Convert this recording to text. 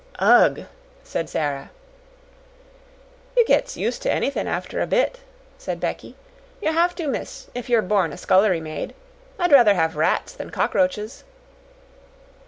"Ugh!" said Sara. "You gets used to anythin' after a bit," said Becky. "You have to, miss, if you're born a scullery maid. I'd rather have rats than cockroaches."